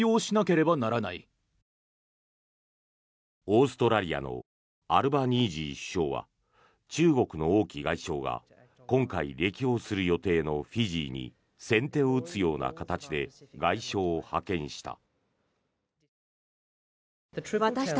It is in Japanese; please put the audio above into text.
オーストラリアのアルバニージー首相は中国の王毅外相が今回、歴訪する予定のフィジーに先手を打つような形で外相を派遣した。